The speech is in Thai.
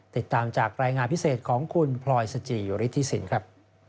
ติดตามจากรายงานพิเศษของคุณพลอยสจิฤทธิสินครับ